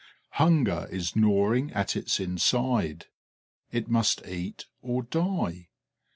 Hunger is gnawing at its inside; it must eat or die.